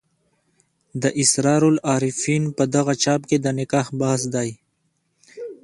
د اسرار العارفین په دغه چاپ کې د نکاح بحث دی.